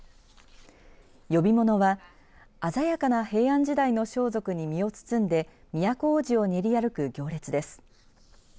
呼び物は鮮やかな平安時代の装束に身を包んで都大路を練り歩く行列です。